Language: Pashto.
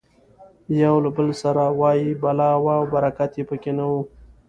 یو له بل سره وایي بلا وه او برکت یې پکې نه و.